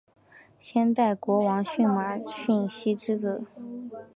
先代国王舜马顺熙之子。